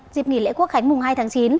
dịp nghỉ lễ quốc khánh mùng hai tháng chín